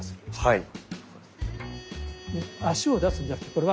はい。